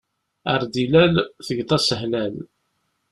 Ar d-ilal, tgeḍ-as hlal.